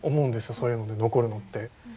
そういうので残るのって。